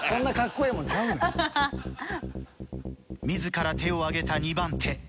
自ら手を挙げた２番手。